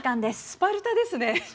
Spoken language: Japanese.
スパルタです。